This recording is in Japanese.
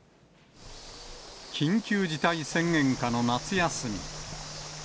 緊急事態宣言下の夏休み。